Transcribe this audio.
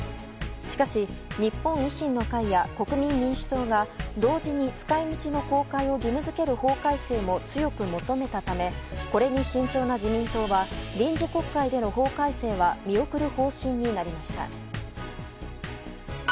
しかし、日本維新の会や国民民主党が同時に使い道の公開を義務付ける法改正も強く求めたためこれに慎重な自民党は臨時国会での法改正は見送る方針になりました。